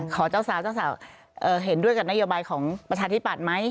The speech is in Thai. ขอเจ้าสาวเจ้าสาวเห็นด้วยกับนโยบายของประชาธิปัตย์ไหม